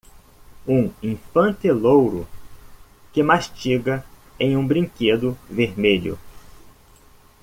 Um infante louro que mastiga em um brinquedo vermelho.